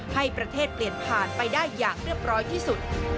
ให้ประเทศเปลี่ยนผ่านไปได้อย่างเรียบร้อยที่สุด